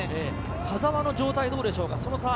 田澤の状態はどうでしょうか。